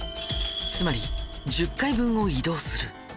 つまり１０階分を移動する。